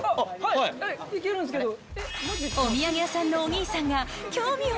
いけるんすけど。